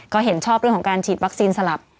ก็เห็นชอบเรื่องของการฉีดวัคซีนสลับ